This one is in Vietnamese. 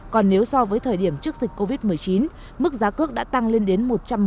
còn nếu so với thời điểm trước dịch covid một mươi chín mức giá cước đã tăng lên đến